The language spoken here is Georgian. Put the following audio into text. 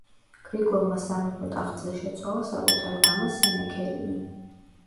გრიგოლმა სამეფო ტახტზე შეცვალა საკუთარი მამა სენექერიმი.